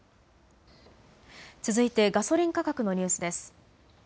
続いてガソリン価格のニュースです。